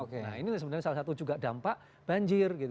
nah ini sebenarnya salah satu juga dampak banjir gitu